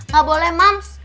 gak boleh mams